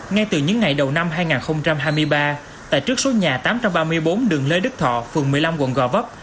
ngay từ những ngày đầu năm hai nghìn hai mươi ba tại trước số nhà tám trăm ba mươi bốn đường lê đức thọ phường một mươi năm quận gò vấp